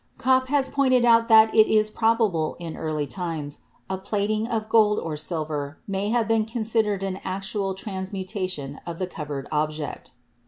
Kopp has pointed out that it is probable in early times a plating of gold or silver may have been considered an actual transmutation of the covered object.